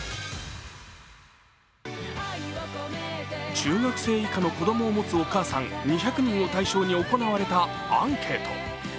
中学生以下の子供を持つお母さん２００人を対象に行われたアンケート。